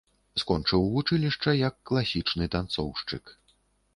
Скончыў вучылішча як класічны танцоўшчык.